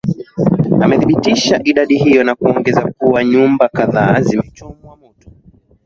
amethibitisha idadi hiyo na kuongeza kuwa nyumba kadhaa zimechomwa moto